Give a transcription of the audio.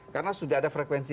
karena sudah ada frekuensi